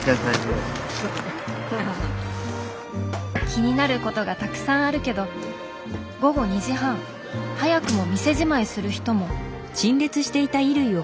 気になることがたくさんあるけど午後２時半早くも店じまいする人も。